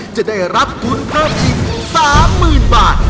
จะได้รับทุนเพิ่มอีก๓๐๐๐บาท